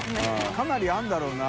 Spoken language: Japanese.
かなりあるんだろうな。